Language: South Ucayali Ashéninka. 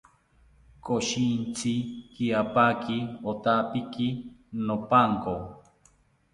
Koshintzi kiapaki otapiki nopanko